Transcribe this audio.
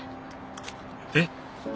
えっ？